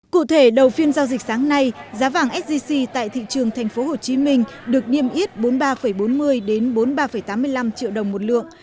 cụ thể đầu phiên giao dịch sáng nay giá vàng sgc tại thị trường tp hcm được niêm yết bốn mươi ba bốn mươi bốn mươi ba tám mươi năm triệu đồng một lượng